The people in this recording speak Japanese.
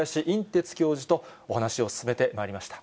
てつ教授とお話を進めてまいりました。